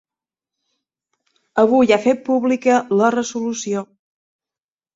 Avui ha fet pública la resolució.